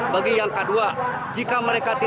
bagi yang kedua jika mereka tiba tiba